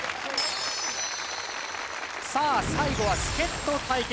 さあ最後は助っ人対決。